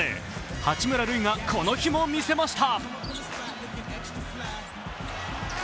八村塁がこの日も見せました。